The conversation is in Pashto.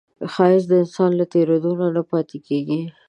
ښایست د انسان له تېرېدو نه نه پاتې کېږي